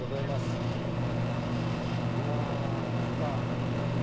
いや何か。